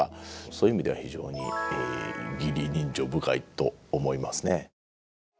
そういう意味では非常に義理人情深いと思いますね。